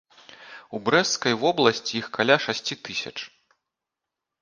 У брэсцкай вобласці іх каля шасці тысяч.